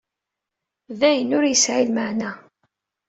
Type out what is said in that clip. D ayen ur yesɛi lmeɛna.